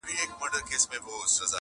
له مطربه سره نسته نوی شرنګ نوي سورونه!